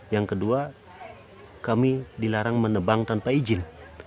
yang kedua kami dilarang menebang tanpa izin